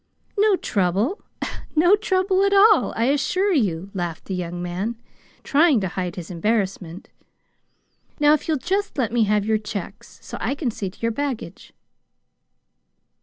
"No trouble no trouble at all, I assure you," laughed the young man, trying to hide his embarrassment. "Now if you'll just let me have your checks, so I can see to your baggage."